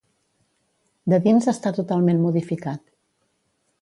De dins està totalment modificat.